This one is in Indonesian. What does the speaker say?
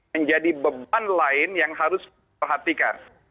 menjadi beban lain yang harus diperhatikan